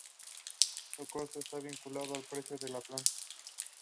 The Santa Fe style was known as emanating from the Fourth Ward.